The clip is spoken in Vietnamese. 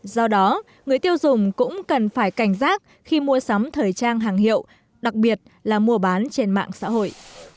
do đó người tiêu dùng cũng cần phải cảnh giác khi mua sắm thời trang hàng hiệu đặc biệt là mua bán trên mạng xã hội